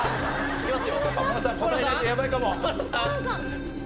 いけます。